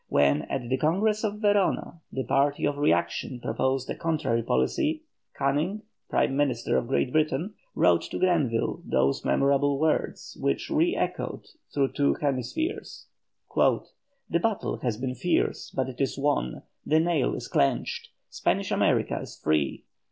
When at the Congress of Verona the party of reaction proposed a contrary policy, Canning, Prime Minister of Great Britain, wrote to Grenville those memorable words which re echoed through two hemispheres: "The battle has been fierce, but it is won. The nail is clenched; Spanish America is free.